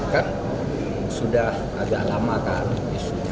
kan sudah agak lama kan isunya